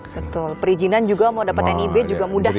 betul perizinan juga mau dapatkan e bay juga mudah ya pak